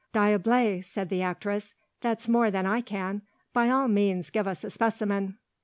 "Diable!" said the actress: "that's more than I can! By all means give us a specimen."